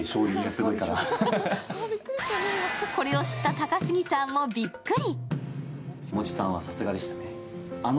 これを知った高杉さんもびっくり。